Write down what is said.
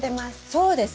そうです。